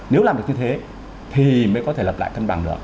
nếu làm được như thế thì mới có thể lập lại cân bằng được